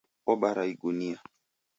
Obara igunia